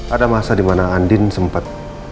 ada masa dimana andi sempet